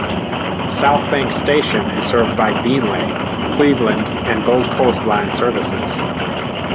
South Bank station is served by Beenleigh, Cleveland and Gold Coast line services.